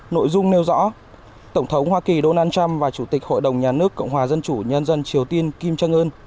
nội dung nêu rõ tổng thống hoa kỳ donald trump và chủ tịch hội đồng nhà nước cộng hòa dân chủ nhân dân triều tiên kim jong un